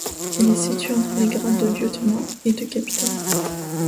Il est situé entre les grades de lieutenant et de capitaine.